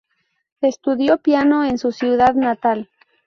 Estudió piano en su ciudad natal.